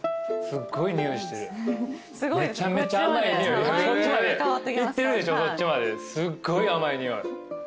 すっごい甘い匂い。